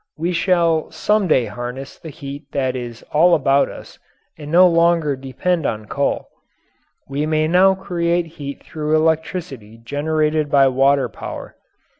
We shall some day harness the heat that is all about us and no longer depend on coal we may now create heat through electricity generated by water power.